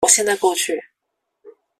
我現在過去